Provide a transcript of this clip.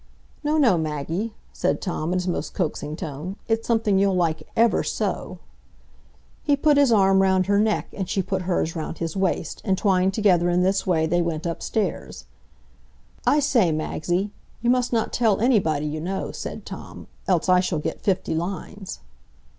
"No, no, Maggie," said Tom, in his most coaxing tone; "It's something you'll like ever so." He put his arm round her neck, and she put hers round his waist, and twined together in this way, they went upstairs. "I say, Magsie, you must not tell anybody, you know," said Tom, "else I shall get fifty lines."